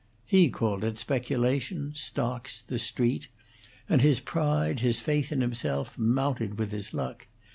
He called it speculation, stocks, the Street; and his pride, his faith in himself, mounted with his luck.